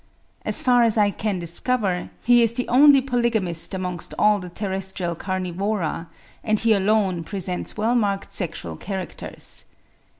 As far as I can discover, he is the only polygamist amongst all the terrestrial Carnivora, and he alone presents well marked sexual characters.